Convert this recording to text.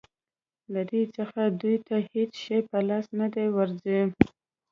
له دې څخه دوی ته هېڅ شی په لاس نه ورځي.